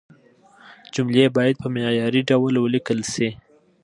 جملې باید په معياري ډول ولیکل شي.